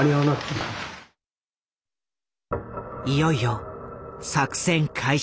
いよいよ作戦開始。